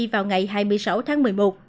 vào ngày hai mươi sáu tháng một mươi một